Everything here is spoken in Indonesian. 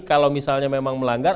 kalau misalnya memang melanggar